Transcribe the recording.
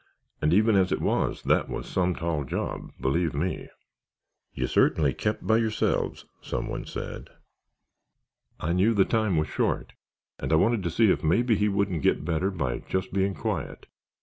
And even as it was, that was some tall job, believe me." "You certainly kept by yourselves," some one said. "I knew the time was short and I wanted to see if maybe he wouldn't get better by just being quiet.